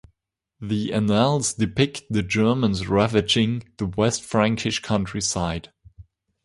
The "Annals" depict the Germans ravaging the West Frankish countryside.